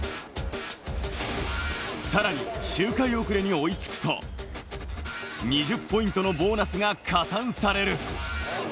さらに周回遅れに追いつくと、２０ポイントのボーナスが加算される。